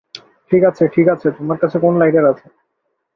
ঠিক আছে, ঠিক আছে তোমার কাছে কোন লাইটার আছে?